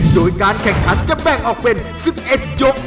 โดยการแข่งขันจะแบ่งออกเป็น๑๑ยก